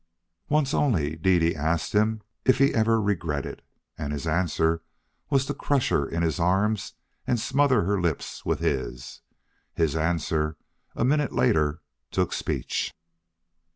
Once only Dede asked him if he ever regretted, and his answer was to crush her in his arms and smother her lips with his. His answer, a minute later, took speech.